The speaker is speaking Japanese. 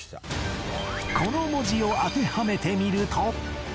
この文字を当てはめてみると